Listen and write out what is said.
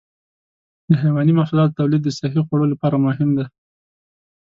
د حيواني محصولاتو تولید د صحي خوړو لپاره مهم دی.